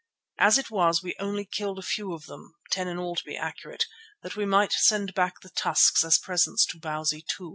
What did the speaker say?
As it was we only killed a few of them, ten in all to be accurate, that we might send back the tusks as presents to Bausi II.